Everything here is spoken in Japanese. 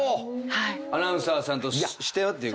アナウンサーさんとしてはっていう。